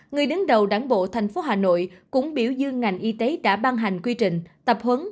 người đứng đầu đảng bộ thành phố hà nội cũng biểu dương ngành y tế đã ban hành quy trình tập huấn